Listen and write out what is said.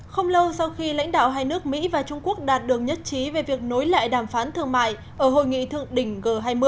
không lâu sau khi lãnh đạo hai nước mỹ và trung quốc đạt được nhất trí về việc nối lại đàm phán thương mại ở hội nghị thượng đỉnh g hai mươi